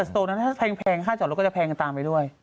เพราะว่าถ้าเกิดโซนิ่งถ้าแพงค่าจอดรถก็จะแพงกันตามไปด้วย